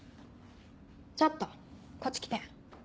ちょっとこっち来て。